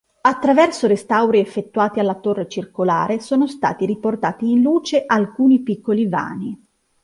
Attraverso restauri effettuati alla torre circolare sono stati riportati in luce alcuni piccoli vani.